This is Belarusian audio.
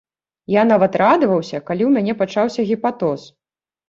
Я нават радаваўся, калі ў мяне пачаўся гепатоз.